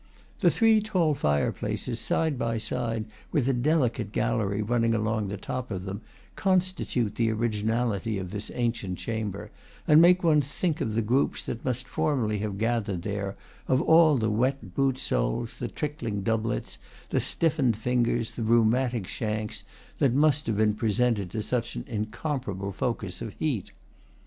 The three tall fireplaces, side by side, with a delicate gallery running along the top of them, constitute the originality of this ancient chamber, and make one think of the groups that must formerly have gathered there, of all the wet boot soles, the trickling doublets, the stiffened fingers, the rheumatic shanks, that must have been presented to such an incomparable focus of heat.